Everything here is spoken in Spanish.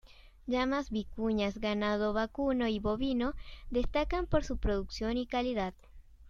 Llamas, vicuñas, ganado vacuno y bovino destacan por su producción y calidad.